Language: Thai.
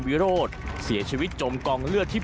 สวัสดีครับ